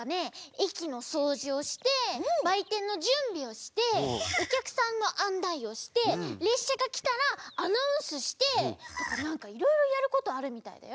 駅のそうじをしてばいてんのじゅんびをしておきゃくさんのあんないをしてれっしゃがきたらアナウンスしてとかなんかいろいろやることあるみたいだよ。